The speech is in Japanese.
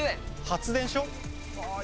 発電所？